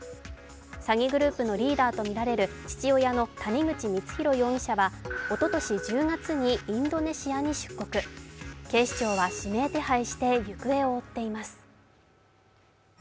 詐欺グループのリーダーとみられる父親の谷口光弘容疑者は、おととし１０月にインドネシアに出国警視庁は指名手配して行方を追っています。